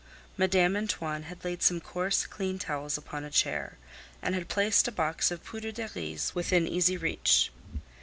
Madame Antoine had laid some coarse, clean towels upon a chair, and had placed a box of poudre de riz within easy reach.